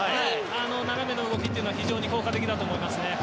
あの斜めの動きっていうのは非常に効果的だと思いますね。